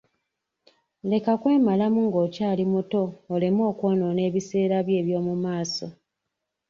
Leka kwemalamu nga okyali muto oleme okwonoona ebiseera byo eby'omu maaso.